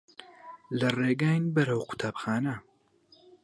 لە ڕێگاین بەرەو قوتابخانە.